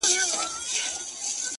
o د هغه ورځي څه مي.